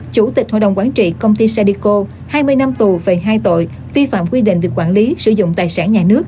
chủ tịch hội đồng quản trị công ty sadico hai mươi năm tù về hai tội vi phạm quy định về quản lý sử dụng tài sản nhà nước